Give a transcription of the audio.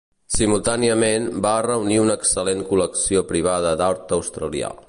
Simultàniament, va reunir una excel·lent col·lecció privada d'art australià.